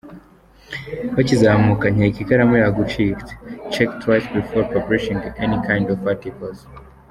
Bakizamuka nkeka ikaramu yagucitse check twice before publishing an kind of articles.